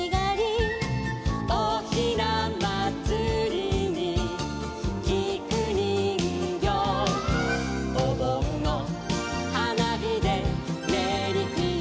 「おひなまつりにきくにんぎょう」「おぼんのはなびでメリークリスマス」